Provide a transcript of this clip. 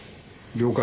了解。